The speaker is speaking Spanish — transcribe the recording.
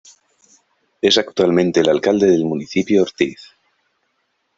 Es actualmente el Alcalde del Municipio Ortiz.